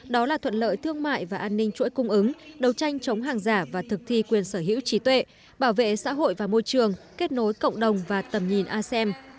đó là thuận lợi thương mại và an ninh chuỗi cung ứng đấu tranh chống hàng giả và thực thi quyền sở hữu trí tuệ bảo vệ xã hội và môi trường kết nối cộng đồng và tầm nhìn asem